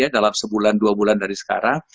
dalam sebulan dua bulan dari sekarang